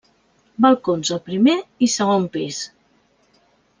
Balcons al primer i segon pis.